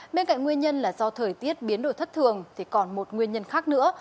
bên cạnh nguyên nhân là do thời tiết biến đổi thất thường thì còn một nguyên nhân khác nữa